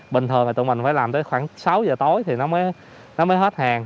bình thường thì tụi mình phải làm tới khoảng sáu giờ tối thì nó mới hết hàng